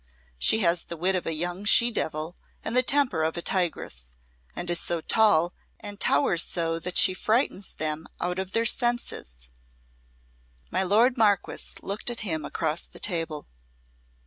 She has the wit of a young she devil and the temper of a tigress, and is so tall, and towers so that she frightens them out of their senses." My lord Marquess looked at him across the table.